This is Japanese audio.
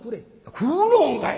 「食うのんかい！